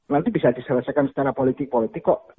nanti bisa diselesaikan secara politik politik kok